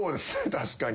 確かに。